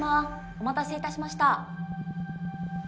お待たせいたしました。